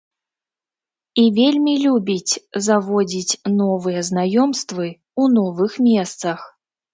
І вельмі любіць заводзіць новыя знаёмствы ў новых месцах.